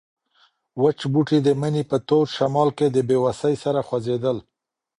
وچ بوټي د مني په تود شمال کې په بې وسۍ سره خوځېدل.